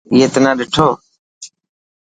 اي تنا ڏٺو.